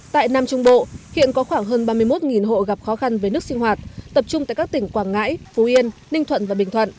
tại nam trung bộ hiện có khoảng hơn ba mươi một hộ gặp khó khăn với nước sinh hoạt tập trung tại các tỉnh quảng ngãi phú yên ninh thuận và bình thuận